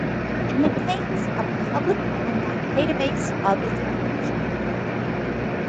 It maintains a public online database of its information.